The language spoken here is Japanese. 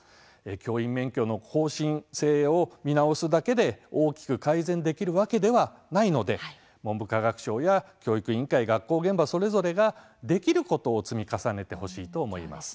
教員免許の更新制を見直すだけで大きく改善できるわけではないので文部科学省や教育委員会学校現場それぞれができることを積み重ねてほしいと思います。